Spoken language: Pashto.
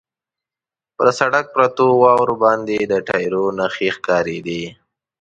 پر سړک پرتو واورو باندې د ټایرو نښې ښکارېدې.